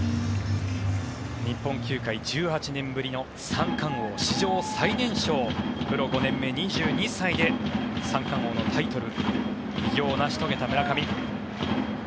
日本球界１８年ぶりの三冠王史上最年少プロ５年目、２２歳で三冠王のタイトル偉業を成し遂げた村上。